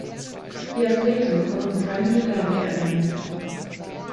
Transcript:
Die Athleten konnten keine Medaille erringen.